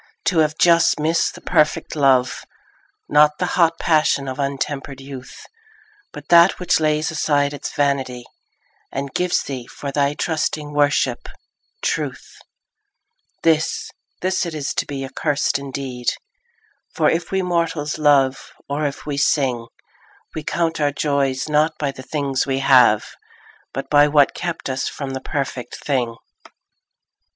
To have just missed the perfect love, Not the hot passion of untempered youth, But that which lays aside its vanity And gives thee, for thy trusting worship, truth— This, this it is to be accursed indeed; For if we mortals love, or if we sing, We count our joys not by the things we have, But by what kept us from the perfect thing.